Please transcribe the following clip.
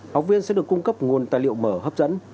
học viên sẽ được cung cấp nguồn tài liệu mở hấp dẫn